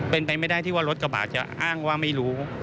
เป็นไปไม่ได้ที่ว่ารถกระบะจะอ้างว่าไม่รู้